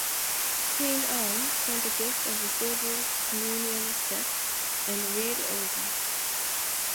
Queen Anne sent a gift of a silver Communion set and a reed organ.